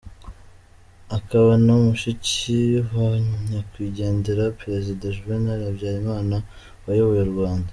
Akaba na mushiki wa Nyakwigendera Perezida Juvénal Habyarimana wayoboye u Rwanda.